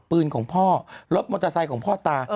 ของพ่อรถมอเตอร์ไซค์ของพ่อตา